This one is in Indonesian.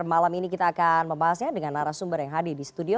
malam ini kita akan membahasnya dengan arah sumber yang hadir di studio